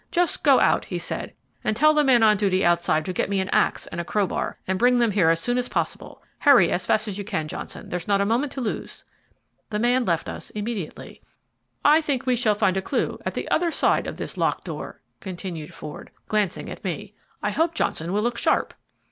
"Just go out," he said, "and tell the man on duty outside to get me an axe and crowbar, and bring them here as soon as possible. Hurry as fast as you can, Johnson; there's not a moment to lose." The man left us immediately. "I think we shall find a clue at the other sideof this locked door," continued Ford, glancing at me. "I hope Johnson will look sharp."